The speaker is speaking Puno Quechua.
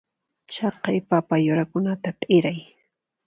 Chaqay papa yurakunata t'iray.